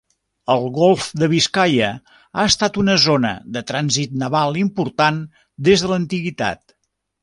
El golf de Biscaia ha estat una zona de trànsit naval important des de l'antiguitat.